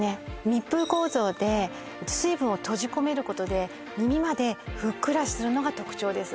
密封構造で水分を閉じ込めることで耳までふっくらするのが特徴です